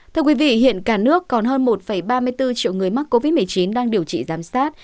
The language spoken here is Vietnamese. thưa quý vị hiện cả nước còn hơn một ba mươi bốn triệu người mắc covid một mươi chín đang điều trị giám sát